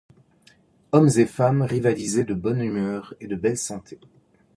Hommes et femmes rivalisaient de bonne humeur et de belle santé.